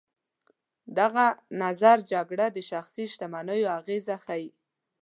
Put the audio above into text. دغه نظر جګړه د شخصي شتمنیو اغېزه ښيي.